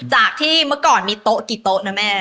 จากที่เมื่อก่อนมีโต๊ะกี่โต๊ะนะแม่